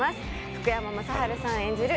福山雅治さん演じる